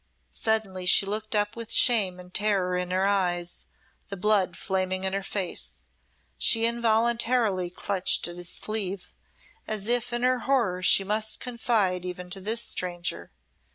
Suddenly she looked up with shame and terror in her eyes, the blood flaming in her face. She involuntarily clutched at his sleeve as if in her horror she must confide even to this stranger.